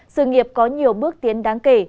sự nghiệp có nhiều bước tiến đáng kể